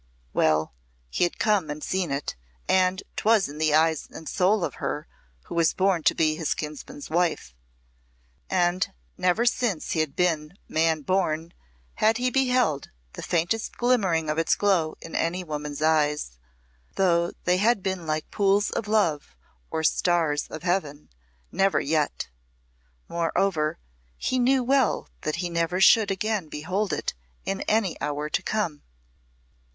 Well, he had come and seen it, and 'twas in the eyes and soul of her who was to be his kinsman's wife. And never since he had been man born had he beheld the faintest glimmering of its glow in any woman's eyes, though they had been like pools of love or stars of Heaven, never yet! Moreover, he knew well that he never should again behold it in any hour to come.